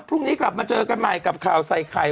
พรุ่งนี้กลับมาเจอกันใหม่กับข่าวใส่ไข่